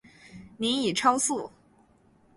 您已超速